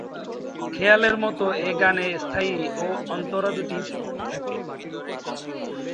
খেয়ালের মতো এ গানে স্থায়ী ও অন্তরা দুটি তুক থাকে।